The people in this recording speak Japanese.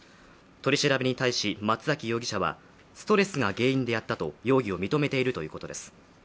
取り調べに対し松崎容疑者はストレスが原因でやったと容疑を認めているということです。